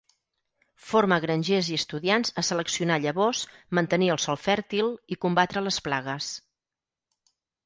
Forma grangers i estudiants a seleccionar llavors, mantenir el sol fèrtil i combatre les plagues.